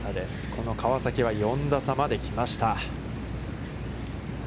この川崎は４打差まで来ました。